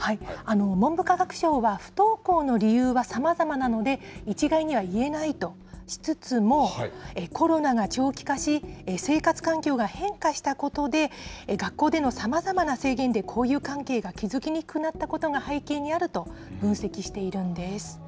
文部科学省は、不登校の理由はさまざまなので、一概には言えないとしつつも、コロナが長期化し、生活環境が変化したことで、学校でのさまざまな制限で交友関係が築きにくくなったことが背景にあると分析しているんです。